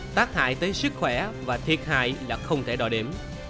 tác hại tới sức khỏe và thiệt hại là không thể đòi đếm